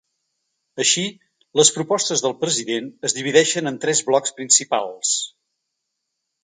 Així, les propostes del president es divideixen en tres blocs principals.